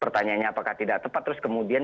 pertanyaannya apakah tidak tepat terus kemudian